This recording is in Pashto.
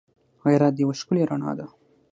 غیرت یوه ښکلی رڼا ده